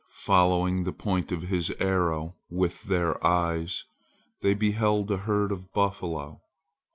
Following the point of his arrow with their eyes, they beheld a herd of buffalo.